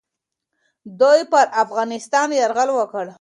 دوی پر افغانستان یرغل وکړ.